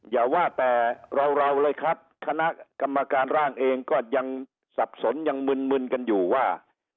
อย่าว่าแต่เราเลยครับคณะกรรมการร่างเองก็ยังสับสนยังมึนมึนกันอยู่ว่า